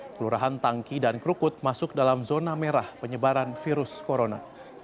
kelurahan tangki dan krukut masuk dalam zona merah penyebaran virus corona